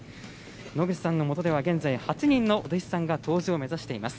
農口さんの下では現在、８人のお弟子さんが杜氏を目指しています。